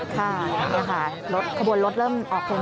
ค่ะค่ะคบวนรถเริ่มออกขึ้นทาง